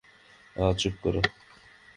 আঃ– চুপ করো।